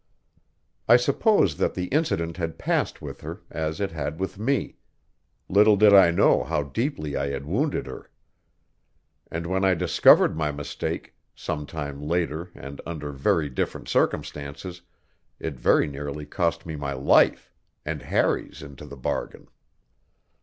I suppose that the incident had passed with her, as it had with me; little did I know how deeply I had wounded her. And when I discovered my mistake, some time later and under very different circumstances, it very nearly cost me my life, and Harry's into the bargain.